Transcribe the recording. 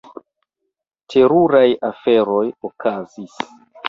Teruraj aferoj okazis.